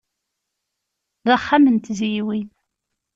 D axxam n tezyiwin.